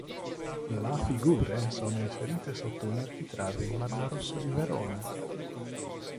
La figure sono inserite sotto un architrave in marmo rosso di Verona.